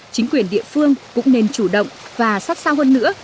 chính quyền địa phương cũng nên chủ động và sát sao hơn nữa